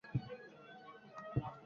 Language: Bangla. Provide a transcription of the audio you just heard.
মানে, উড়ন্ত পিরিচের মত কিছু দেখতে পাচ্ছ?